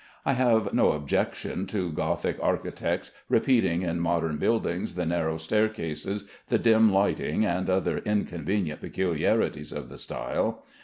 I have no objection to Gothic architects repeating in modern buildings the narrow staircases, the dim lighting, and other inconvenient peculiarities of the style.